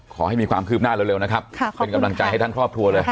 ขอให้มีความคืบหน้าเร็วนะครับเป็นกำลังใจให้ทั้งครอบครัวเลย